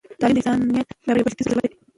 تعلیم د انسانیت لپاره یو بنسټیز ضرورت دی.